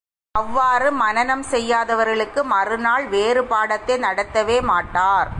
அவ்வாறு, மனனம் செய்யாதவர்களுக்கு மறுநாள் வேறுபாடத்தை நடத்தவே மாட்டார்.